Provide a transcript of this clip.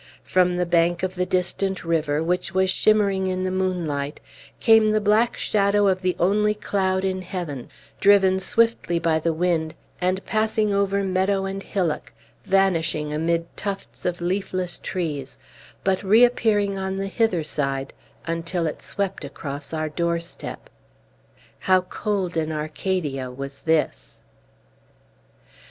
From the bank of the distant river, which was shimmering in the moonlight, came the black shadow of the only cloud in heaven, driven swiftly by the wind, and passing over meadow and hillock, vanishing amid tufts of leafless trees, but reappearing on the hither side, until it swept across our doorstep. How cold an Arcadia was this!